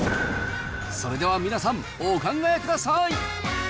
それでは皆さん、お考えください。